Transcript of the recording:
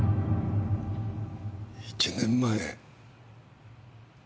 １年前？